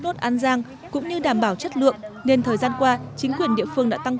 đốt an giang cũng như đảm bảo chất lượng nên thời gian qua chính quyền địa phương đã tăng